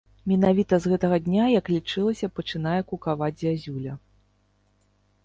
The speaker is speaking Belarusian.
Менавіта з гэтага дня, як лічылася, пачынае кукаваць зязюля.